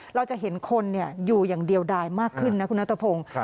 เราจะเห็นคนอยู่อย่างเดียวได้มากขึ้นนะคุณนัทพงศ์